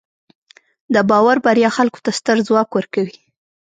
د باور بریا خلکو ته ستر ځواک ورکوي.